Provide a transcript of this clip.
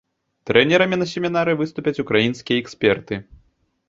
Трэнерамі на семінары выступяць украінскія эксперты.